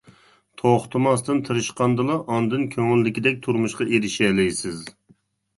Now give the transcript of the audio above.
توختىماستىن تىرىشقاندىلا، ئاندىن كۆڭۈلدىكىدەك تۇرمۇشقا ئېرىشەلەيسىز.